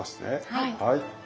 はい。